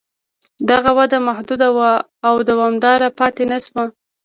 دغه وده محدوده وه او دوامداره پاتې نه شوه.